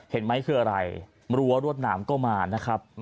เห็นไหมคืออะไรรั้วรวดหนามก็มานะครับ